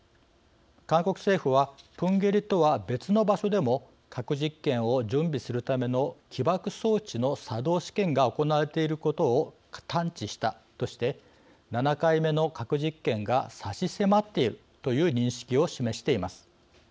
韓国政府はプンゲリとは別の場所でも核実験を準備するための起爆装置の作動試験が行われていることを探知したとして７回目の核実験が差し迫っているという認識を示しています。